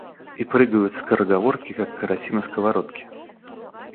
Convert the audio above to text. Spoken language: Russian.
И прыгают скороговорки, как караси на сковородке.